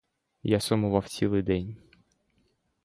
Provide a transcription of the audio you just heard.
Я сумував цілий день.